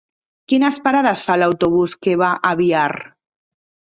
Quines parades fa l'autobús que va a Biar?